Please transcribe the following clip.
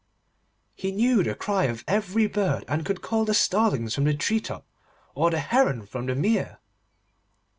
He knew the cry of every bird, and could call the starlings from the tree top, or the heron from the mere.